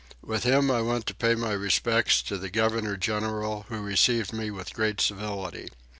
With him I went to pay my respects to the governor general who received me with great civility.